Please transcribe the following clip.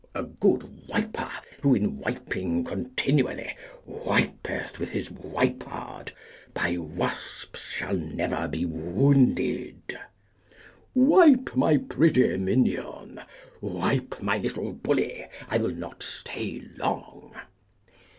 A good wiper, who, in wiping continually, wipeth with his wipard, by wasps shall never be wounded. Wipe, my pretty minion; wipe, my little bully; I will not stay long.